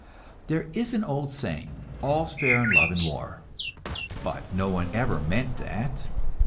There is an old saying, "All's fair in love and war," but no one ever meant that.